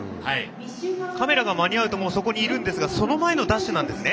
カメラが間に合うともう、そこにいるんですがその前のダッシュなんですね。